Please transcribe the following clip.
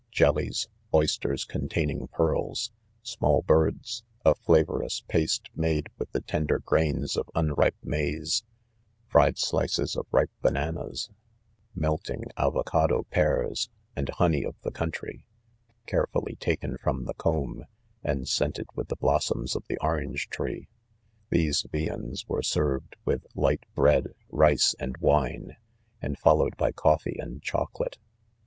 Jellies, oysters containing pearls, small birds, a fla vorous paste made with the tender grains . of unripe maize, fried slices of ripe, bananas, mel ting avocado pears, and honey of the country, carefully taken from the comb, and scented with the blossoms of the orange tree ^ these viands were served with light bread, rice and wine, and followed by coffee and chocolate.